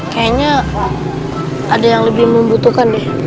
kayaknya ada yang lebih membutuhkan nih